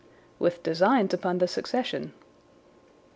"With designs upon the succession."